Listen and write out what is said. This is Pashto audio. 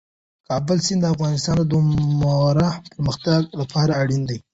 د کابل سیند د افغانستان د دوامداره پرمختګ لپاره اړین دی.